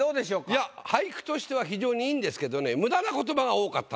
いや俳句としては非常にいいんですけどねあら。